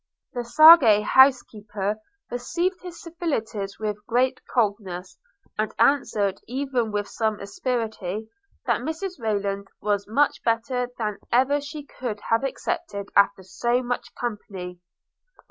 The sage housekeeper received his civilities with great coldness, and answered, even with some asperity, that Mrs Rayland was much better than ever she could have expected after so much company.